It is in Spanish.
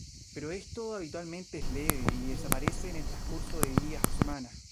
Pero esto habitualmente es leve, y desaparece en el transcurso de días o semanas.